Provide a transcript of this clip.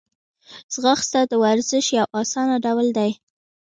ځغاسته د ورزش یو آسانه ډول دی